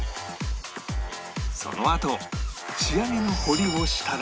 そのあと仕上げの彫りをしたら